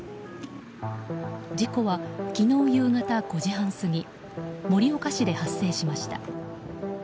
事故は、昨日夕方５時半過ぎ盛岡市で発生しました。